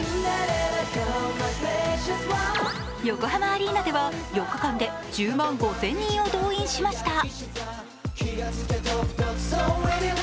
横浜アリーナでは４日間で１０万５０００人を動員しました。